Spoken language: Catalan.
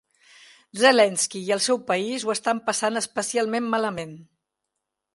Zelensky i el seu país ho estan passant especialment malament.